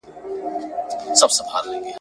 چي ملا كړ ځان تيار د جگړې لور ته !.